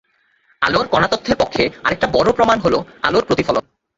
আলোর কণাতত্ত্বের পক্ষে আরেকটা বড় প্রমাণ হলো আলো প্রতিফলন।